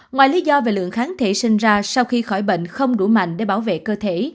ngoài lý do về lượng kháng thể sinh ra sau khi khỏi bệnh không đủ mạnh để bảo vệ cơ thể